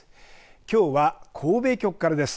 きょうは神戸局からです。